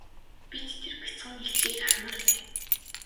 Бид тэр бяцхан илжгийг хармаар байна.